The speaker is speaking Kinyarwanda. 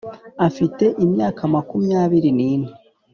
afite imyaka makumyabiri nine